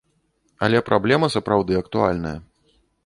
Але праблема сапраўды актуальная.